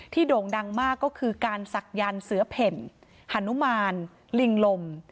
ที่โด่งดังมากก็คือการศักดิ์ยานเสือเพ็ญหานุมานลิงลม